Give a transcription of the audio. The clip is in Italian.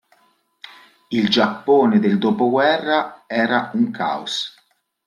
Il Giappone del dopoguerra era un caos.